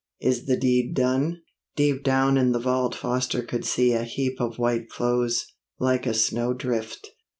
Is the deed done?' Deep down in the vault Foster could see a heap of white clothes, like a snowdrift.